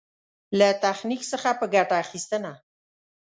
له تخنيک څخه په ګټه اخېستنه.